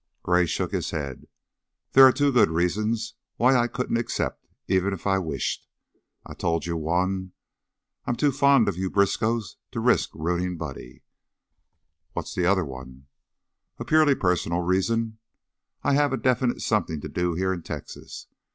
Gray shook his head. "There are two good reasons why I couldn't accept, even if I wished. I've told you one; I'm too fond of you Briskows to risk ruining Buddy." "What's the other one?" "A purely personal reason. I have a definite something to do here in Texas.